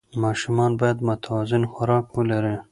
ماشومان باید متوازن خوراک ولري.